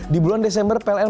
di bulan desember pln